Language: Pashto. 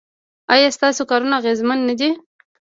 ایا ستاسو کارونه اغیزمن نه دي؟